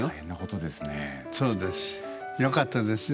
よかったですね。